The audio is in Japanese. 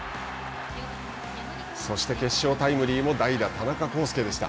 そして決勝タイムリーも代打、田中広輔でした。